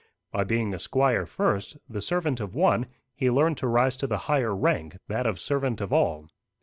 By being a squire first, the servant of one, he learned to rise to the higher rank, that of servant of all.